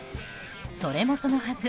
それもそのはず